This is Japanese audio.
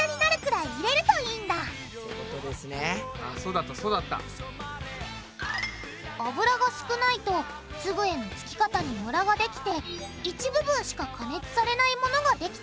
あそうだったそうだった。油が少ないと粒へのつき方にムラができて一部分しか加熱されないものができちゃう。